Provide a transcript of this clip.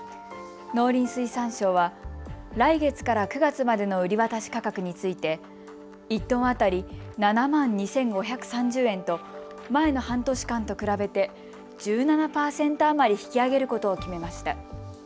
農林水産省は来月から９月までの売り渡し価格について１トン当たり７万２５３０円と前の半年間と比べて１７％余り引き上げることを決めました。